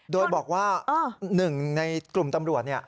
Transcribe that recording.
โดยบอกว่า๑ในกลุ่มตำรวจ